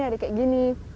ada yang kayak gini